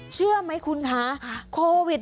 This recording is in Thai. เชื่อมั้ยคุณคะโครวิด